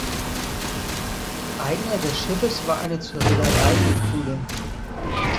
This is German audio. Eigner des Schiffes war eine zur Reederei Gebr.